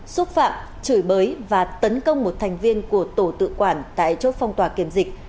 xúc phạm chửi bới và tấn công một thành viên của tổ tự quản tại chốt phong tỏa kiểm dịch